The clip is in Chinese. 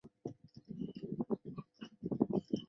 柳叶鳞球花为爵床科鳞球花属下的一个种。